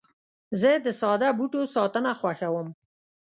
زه د ساده بوټو ساتنه خوښوم.